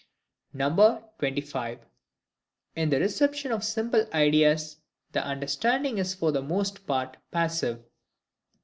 25. In the Reception of simple Ideas, the Understanding is for the most part passive.